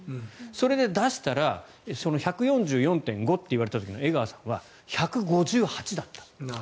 それで出したら１４４．５ｋｍといわれていた時の江川さんは１５８ｋｍだったと。